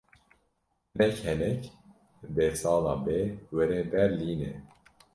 Hinek Henek dê sala bê were Berlînê.